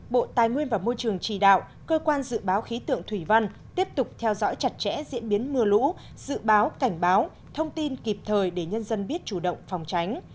bộ tài nguyên và môi trường chỉ đạo cơ quan dự báo khí tượng thủy văn tiếp tục theo dõi chặt chẽ diễn biến mưa lũ dự báo cảnh báo thông tin kịp thời để nhân dân biết chủ động phòng tránh